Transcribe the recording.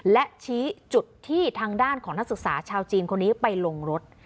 และชี้จุดที่ทางด้านของนักศึกษาชาวจีนคนนี้ไปลงรถ